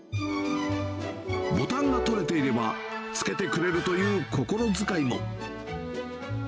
ボタンが取れていれば、つけてくれるという心遣いも。